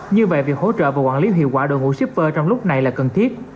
như vậy việc hỗ trợ và quản lý hiệu quả đội ngũ shipper trong lúc này là cần thiết